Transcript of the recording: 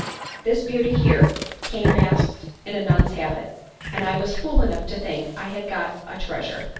This beauty here came masked in a nun's habit, and I was fool enough to think I had got a treasure.